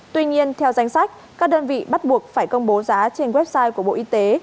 tuy nhiên theo danh sách các đơn vị bắt buộc phải công bố giá trên website của bộ y tế